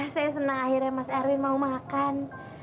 saya senang akhirnya mas erwin mau makan